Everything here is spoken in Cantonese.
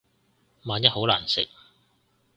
萬一好難食